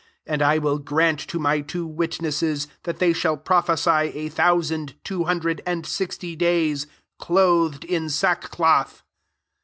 3 And I will grant to my two witnesses that they shall prophesy a thousand two hundred and sixty days, clothed in sack cloth.